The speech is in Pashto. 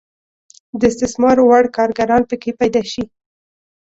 د استثمار وړ کارګران پکې پیدا شي.